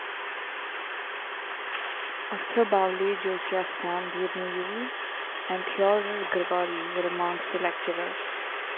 Arthur Bowley, Josiah Stamp, Udny Yule, and Theodore Gregory were amongst the lecturers.